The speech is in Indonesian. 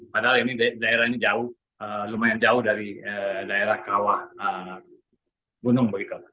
padahal ini daerah ini jauh lumayan jauh dari daerah kawah gunung begitu